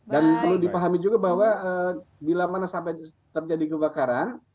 dan perlu dipahami juga bahwa bila mana sampai terjadi kebakaran